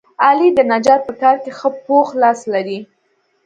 علي د نجارۍ په کار کې ښه پوخ لاس لري.